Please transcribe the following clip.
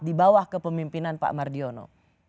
di bawah kepemimpinan pak mardiono